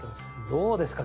どうですか？